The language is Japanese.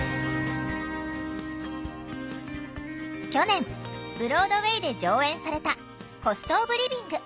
去年ブロードウェイで上演された「コスト・オブ・リビング」。